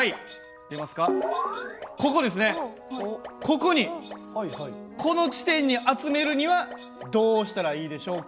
ここにこの地点に集めるにはどうしたらいいでしょうか？